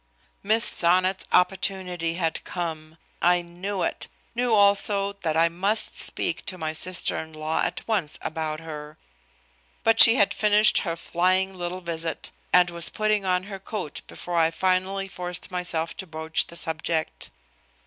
Miss Sonnet's opportunity had come! I knew it, knew also that I must speak to my sister in law at once about her. But she had finished her flying little visit and was putting on her coat before I finally forced myself to broach the subject.